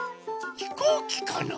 ひこうきかな？